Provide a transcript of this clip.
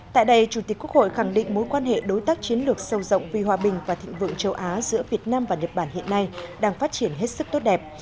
tại đây chủ tịch quốc hội khẳng định mối quan hệ đối tác chiến lược sâu rộng vì hòa bình và thịnh vượng châu á giữa việt nam và nhật bản hiện nay đang phát triển hết sức tốt đẹp